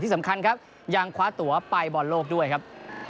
สำคัญครับยังคว้าตัวไปบอลโลกด้วยครับ